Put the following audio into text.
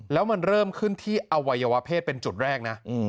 แล้วมันเริ่มขึ้นที่อวัยวะเพศเป็นจุดแรกนะ